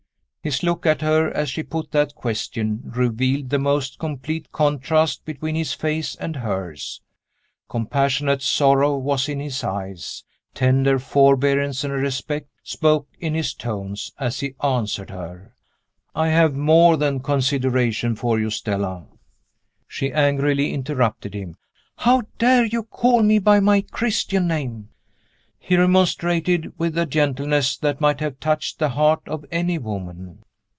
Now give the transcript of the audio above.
His look at her, as she put that question, revealed the most complete contrast between his face and hers. Compassionate sorrow was in his eyes, tender forbearance and respect spoke in his tones, as he answered her. "I have more than consideration for you, Stella " She angrily interrupted him. "How dare you call me by my Christian name?" He remonstrated, with a gentleness that might have touched the heart of any woman.